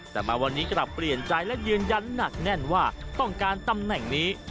แต่มาวันนี้กลับเปลี่ยนใจและยืนยันหนักแน่นว่าต้องการตำแหน่งนี้